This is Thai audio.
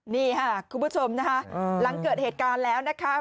นี่ค่ะคุณผู้ชมนะคะหลังเกิดเหตุการณ์แล้วนะคะ